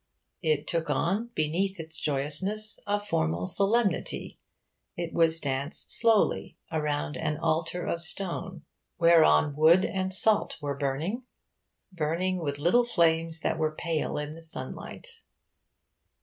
It took on, beneath its joyousness, a formal solemnity. It was danced slowly around an altar of stone, whereon wood and salt were burning burning with little flames that were pale in the sunlight.